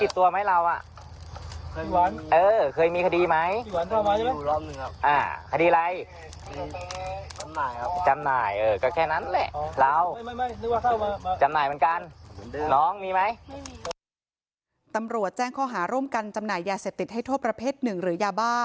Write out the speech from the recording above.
ตำรวจแจ้งข้อหาร่วมกันจำหน่ายยาเสพติดให้โทษประเภทหนึ่งหรือยาบ้า